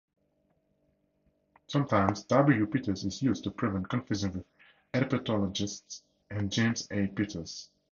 Sometimes W. Peters is used to prevent confusion with herpetologists and James A. Peters.